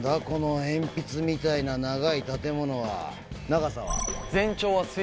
この鉛筆みたいな長い建物は長さは？